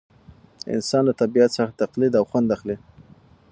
انسان له طبیعت څخه تقلید او خوند اخلي.